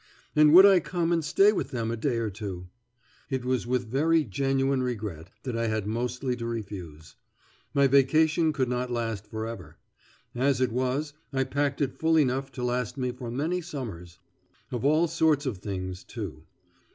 And would I come and stay with them a day or two? It was with very genuine regret that I had mostly to refuse. My vacation could not last forever. As it was, I packed it full enough to last me for many summers. Of all sorts of things, too.